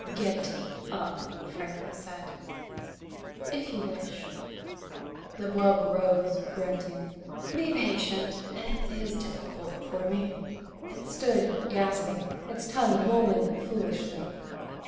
"Get up," Franco said. "If you wish." The wub rose, grunting. "Be patient. It is difficult for me." It stood, gasping, its tongue lolling foolishly.